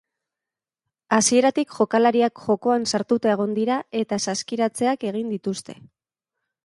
Hasieratik jokalariak jokoan sartuta egon dira eta saskiratzeak egin dituzte.